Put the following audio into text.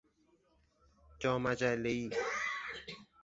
جا مجلهای